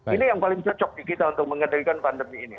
ini yang paling cocok di kita untuk mengendalikan pandemi ini